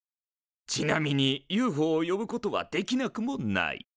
ちなみにＵＦＯを呼ぶことはできなくもない。